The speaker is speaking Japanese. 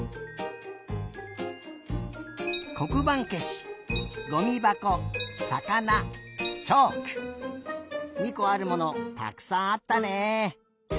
こくばんけしごみばこさかなチョーク２こあるものたくさんあったね！